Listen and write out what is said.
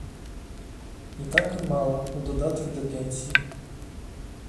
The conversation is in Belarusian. Не так і мала ў дадатак да пенсіі.